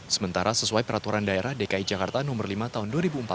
sementara sesuai peraturan daerah dki jakarta nomor lima tahun dua ribu empat belas